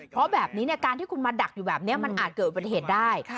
เพราะแบบนี้การที่คุณมาดักอยู่แบบนี้มันอาจเกิดอุบัติเหตุได้